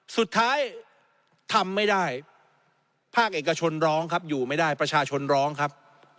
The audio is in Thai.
สุดท้ายทำไม่ได้ภาคเอกชนร้องครับอยู่ไม่ได้ประชาชนร้องครับ